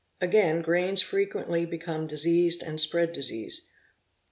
Again grains frequently become diseased and spread disease.